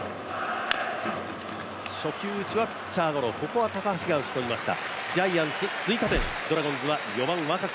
初球はピッチャーゴロ、ここは高橋が打ち取りました。